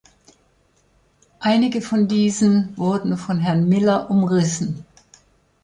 Einige von diesen wurden von Herrn Miller umrissen.